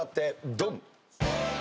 ドン！